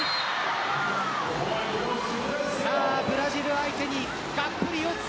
ブラジル相手にがっぷり四つ。